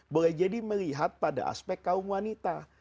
boleh jadi melihat pada aspek kaum wanita